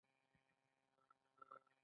هغوی د زړه په خوا کې تیرو یادونو خبرې کړې.